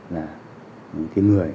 là những người